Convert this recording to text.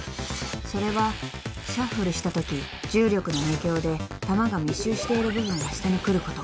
［それはシャッフルしたとき重力の影響で弾が密集している部分が下に来ること］